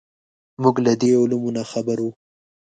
موږ له دې علومو ناخبره وو.